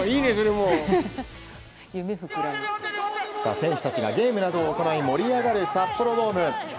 選手たちがゲームなどを行い盛り上がる札幌ドーム。